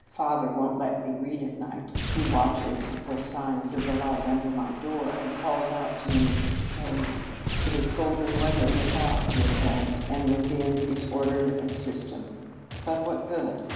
Father won't let me read at night watches for signs of the light under my door and calls out to me if it shows. It is golden weather without, dear friend, and within is order and system. But what good?